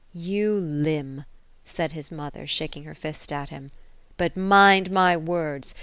" You limb !" said his mother, shaking her fist at him ;" but mind my words.